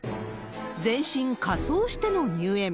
全身仮装しての入園。